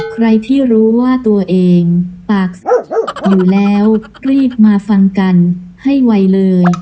ใครที่รู้ว่าตัวเองปากสะอยู่แล้วรีบมาฟังกันให้ไวเลย